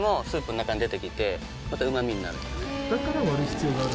だから割る必要がある。